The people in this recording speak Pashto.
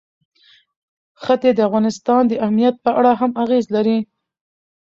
ښتې د افغانستان د امنیت په اړه هم اغېز لري.